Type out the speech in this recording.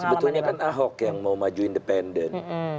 sebetulnya kan ahok yang mau maju independen